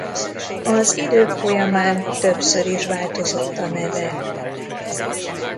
Az idők folyamán többször is változott a neve.